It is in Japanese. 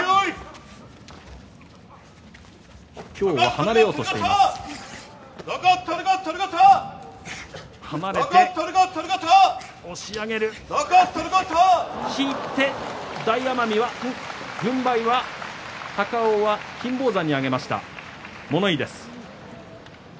引いて、大奄美は軍配は金峰山に挙げました、物言いです。